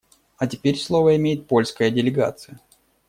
А теперь слово имеет польская делегация.